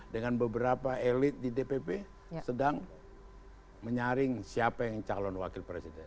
dengan beberapa elit di dpp sedang menyaring siapa yang calon wakil presiden